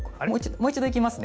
もう一度、いきますね。